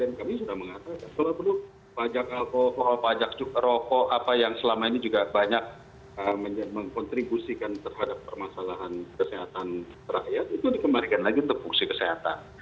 dan kami sudah mengatakan kalau perlu pajak alkohol pajak rokok apa yang selama ini juga banyak mengkontribusikan terhadap permasalahan kesehatan rakyat itu dikembalikan lagi untuk fungsi kesehatan